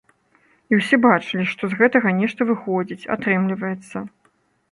І ўсе бачылі, што з гэтага нешта выходзіць, атрымліваецца.